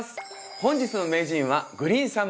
本日の名人はグリーンサム